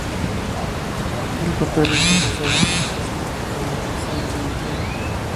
El papel del profesor en el proceso se reduce con el tiempo.